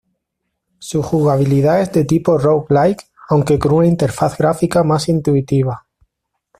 Su jugabilidad es de tipo "roguelike", aunque con una interfaz gráfica más intuitiva.